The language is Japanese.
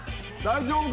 大丈夫？